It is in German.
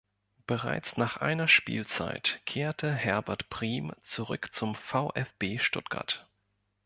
Bereits nach einer Spielzeit kehrte Herbert Briem zurück zum VfB Stuttgart.